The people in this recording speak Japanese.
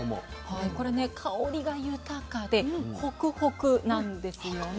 これね香りが豊かでホクホクなんですよね。